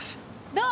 どう？